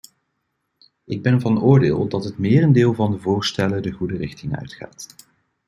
Ik ben van oordeel dat het merendeel van de voorstellen de goede richting uitgaat.